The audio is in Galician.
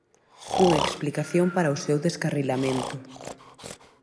Cunha explicación para o seu descarrilamento.